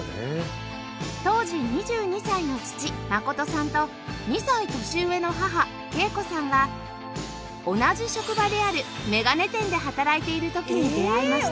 当時２２歳の父信さんと２歳年上の母恵子さんは同じ職場である眼鏡店で働いている時に出会いました